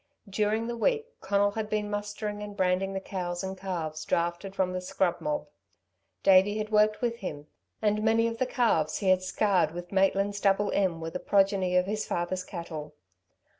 During the week Conal had been mustering and branding the cows and calves drafted from the scrub mob. Davey had worked with him, and many of the calves he had scarred with Maitland's double M. were the progeny of his father's cattle.